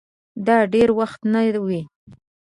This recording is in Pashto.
دا دېر وخت نه وې